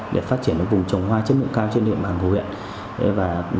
để phát triển vùng trồng hoa chất lượng cao trên địa bàn của huyện